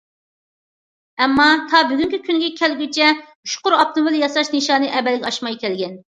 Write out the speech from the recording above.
ئەمما تا بۈگۈنكى كۈنگە كەلگۈچە ئۇچقۇر ئاپتوموبىل ياساش نىشانى ئەمەلگە ئاشماي كەلگەن.